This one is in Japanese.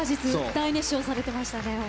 大熱唱されてましたね。